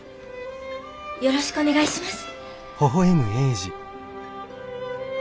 よろしくお願いします。